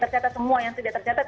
tercatat semua yang sudah tercatat